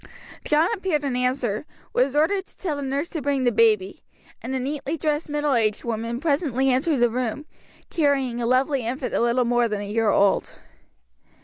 John appeared in answer, was ordered to tell the nurse to bring the baby, and a neatly dressed middle aged woman presently entered the room, carrying a lovely infant a little more than a year old.